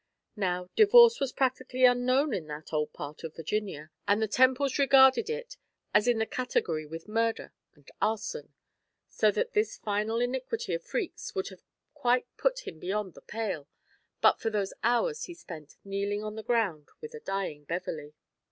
Now, divorce was practically unknown in that old part of Virginia, and the Temples regarded it as in the category with murder and arson; so that this final iniquity of Freke's would have quite put him beyond the pale, but for those hours he spent kneeling on the ground with the dying Beverley.